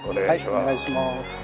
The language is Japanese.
はいお願いします。